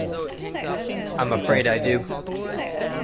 I'm afraid I do.